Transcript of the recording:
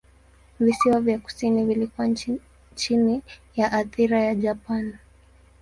Visiwa vya kusini vilikuwa chini ya athira ya Japani.